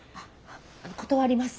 断ります。